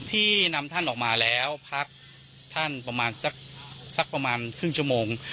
ที่นำท่านออกมาแล้วพักท่านประมาณสักประมาณครึ่งชั่วโมง